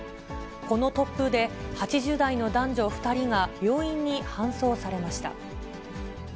この突風で、８０代の男女２人が病院に搬送されました。